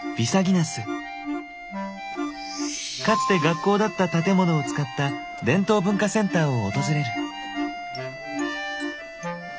かつて学校だった建物を使った伝統文化センターを訪れる。